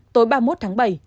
tối ba mươi một tháng bảy